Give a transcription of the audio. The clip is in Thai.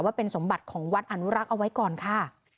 เป็นสมบัติของวัดอนุรักษ์เอาไว้ก่อนค่ะ